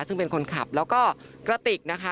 ซึ่งเป็นคนขับแล้วก็กระติกนะคะ